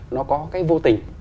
nó có cái vô tình